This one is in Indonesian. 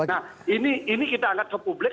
nah ini kita angkat ke publik